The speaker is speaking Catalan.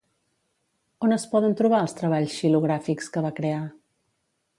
On es poden trobar els treballs xilogràfics que va crear?